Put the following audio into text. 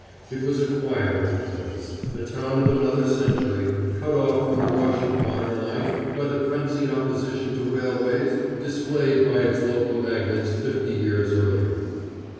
It was a quiet old place, a town of another century, cut off from the rush of modern life by the frenzied opposition to railways displayed by its local magnates fifty years earlier.